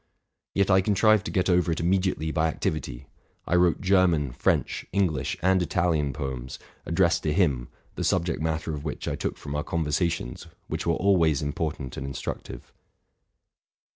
Yet I contrived to get over it immediately by activity. I wrote German, French, English, and Italian poems, addressed to him, the subject matter of which I took from oar conversations, which were always important and instructive.